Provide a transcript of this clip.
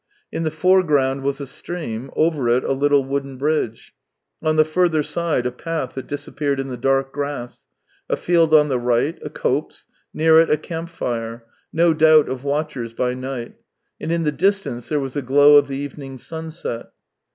In the foreground was a stream, over it a little wooden bridge; on the further side a path that disappeared in the dark grass; a field on the right ; a copse ; near it a camp fire — no doubt of watchers by night ; and in the distance there was a glow of the evening sunset.